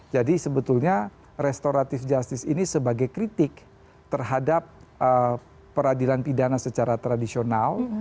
jadi sebetulnya restoratif justice ini sebagai kritik terhadap peradilan pidana secara tradisional